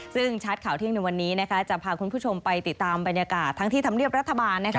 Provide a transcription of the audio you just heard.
ซึ่งชัดข่าวเที่ยงในวันนี้นะคะจะพาคุณผู้ชมไปติดตามบรรยากาศทั้งที่ธรรมเนียบรัฐบาลนะคะ